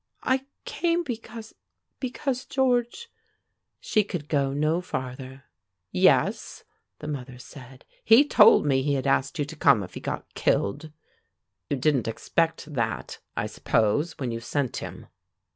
"I came because because George " She could go no farther. "Yes," the mother said, "he told me he had asked you to come if he got killed. You didn't expect that, I suppose, when you sent him."